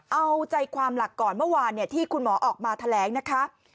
เอาใจความหลักก่อนเมื่อวานที่คุณหมอออกมาแถลงนะคะ